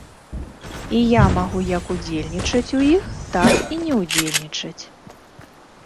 І я магу як удзельнічаць у іх, так і не ўдзельнічаць.